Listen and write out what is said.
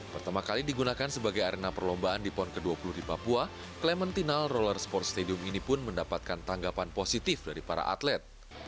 pertama kali digunakan sebagai arena perlombaan di pon ke dua puluh di papua clementinal roller sports stadium ini pun mendapatkan tanggapan positif dari para atlet